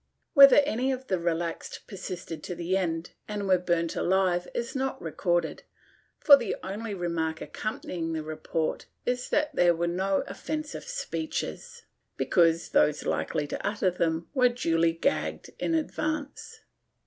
Whether any of the relaxed persisted to the end and were burnt alive is not recorded, for the only remark accompanying the report is that there were no offen sive speeches, because those likely to utter them were duly gagged in advance.